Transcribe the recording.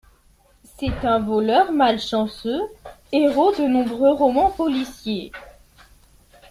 C'est un voleur malchanceux, héros de nombreux romans policiers.